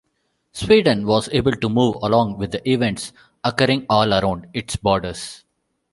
Sweden was able to move along with the events occurring all around its borders.